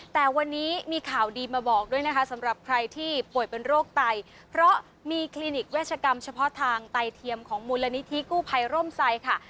แต่วันนี้มีข่าวดีมาบอกด้วยนะคะสำหรับใครที่ป่วยเป็นโรคไตเพราะมีคลินิกเวชกรรมเฉพาะทางไตเทียมของมูลนิธิกู้ภัยร่มไซค่ะ